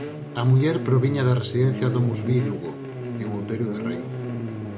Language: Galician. A muller proviña da residencia DomusVi Lugo, en Outeiro de Rei.